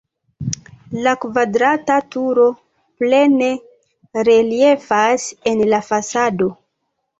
La kvadrata turo plene reliefas en la fasado.